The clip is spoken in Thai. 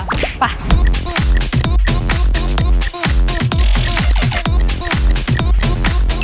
ป่ะ